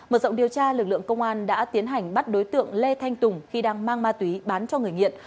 mở rộng điều tra lực lượng công an đã tiến hành bắt đối tượng lê thanh tùng khi đang mang ma túy bán cho người nghiện